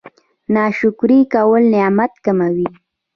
ناشکري کول نعمت کموي